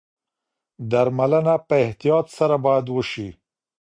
درملنه په احتیاط سره باید وشي.